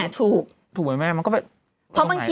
ถูก